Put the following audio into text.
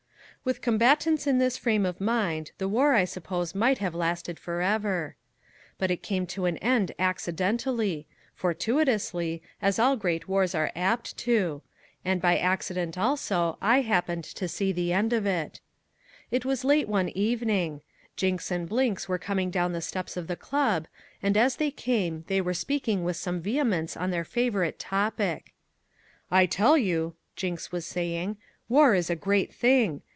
With combatants in this frame of mind the war I suppose might have lasted forever. But it came to an end accidentally, fortuitously, as all great wars are apt to. And by accident also, I happened to see the end of it. It was late one evening. Jinks and Blinks were coming down the steps of the club, and as they came they were speaking with some vehemence on their favourite topic. "I tell you," Jinks was saying, "war is a great thing.